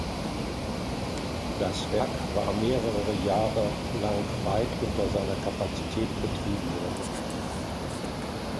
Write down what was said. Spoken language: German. Das Werk war mehrere Jahre lang weit unter seiner Kapazität betrieben worden.